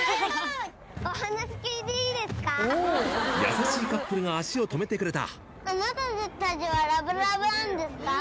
優しいカップルが足を止めてくれた。